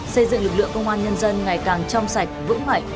xây dựng lực lượng công an nhân dân ngày càng trong sạch vững mạnh